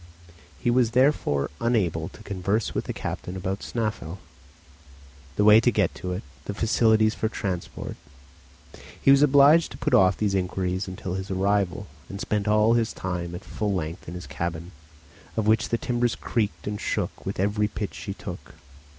He therefore was unable to converse with the captain about Snæfell, the way to get to it, the facilities for transport, he was obliged to put off these inquiries until his arrival, and spent all his time at full length in his cabin, of which the timbers creaked and shook with every pitch she took.